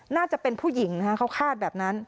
น่าจะเป็นผู้หญิงนะคะเขาคาดแบบนั้น